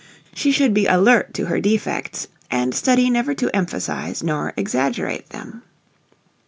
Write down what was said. She should be alert to her defects and study never to emphasize nor exaggerate them.